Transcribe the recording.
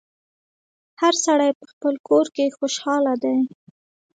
هر سړی په خپل کور کي خوشحاله دی